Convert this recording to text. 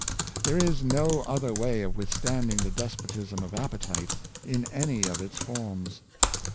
There is no other way of withstanding the despotism of appetite in any of its forms.